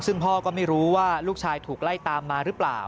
ซึ่งพ่อก็ไม่รู้ว่าลูกชายถูกไล่ตามมาหรือเปล่า